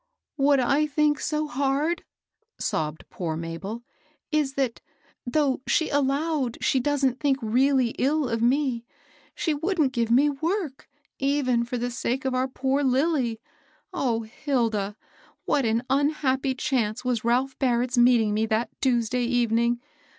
What I think so hard," sobbed poor Mabel, "is, that, though she allowed she doesn't think really ill of me, she wouldn't give me work, even for the sake of poor Lilly. O Hilda! what an unhappy chance was Ralph Barrett's meeting me that Tuesday evening!